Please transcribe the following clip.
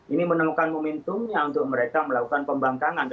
ini menemukan momentumnya untuk mereka melakukan pembangkangan